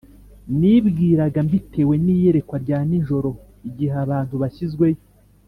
nibwiraga mbitewe n’iyerekwa rya nijoro, igihe abantu bashyizweyo,